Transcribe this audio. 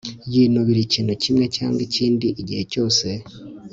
yinubira ikintu kimwe cyangwa ikindi gihe cyose